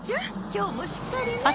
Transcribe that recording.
今日もしっかりね。